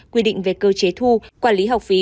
quy định về cơ chế thu quản lý học phí